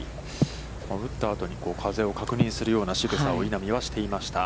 打ったあとに、風を確認するようなしぐさを、稲見はしていました。